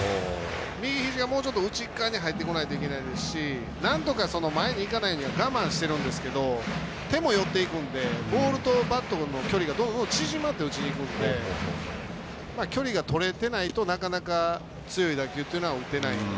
右ひじがもうちょっと内側に入ってないといけないですし、なんとか前にいかないように我慢してるんですけど手も寄っていくのでボールとバットの距離がどんどん縮まって打ちにいくので距離が取れてないとなかなか強い打球というのは打てないので。